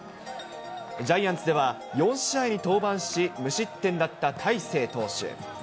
ジャイアンツでは４試合に登板し、無失点だった大勢投手。